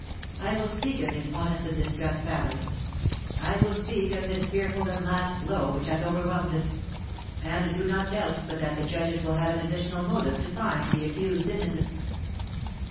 I will speak of this honest and distressed family; I will speak of this fearful and last blow which has overwhelmed it; and do not doubt but that the judges will have an additional motive to find the accused innocent."